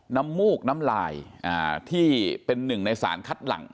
มูกน้ำลายที่เป็นหนึ่งในสารคัดหลัง